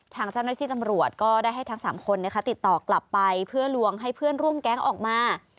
ทางเจ้าหน้าที่ตำรวจก็ได้ให้ทั้ง๓คนติดต่อกลับไปเพื่อลวงให้เพื่อนร่วมแก๊งออกมา